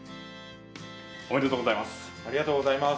おめでとうございます。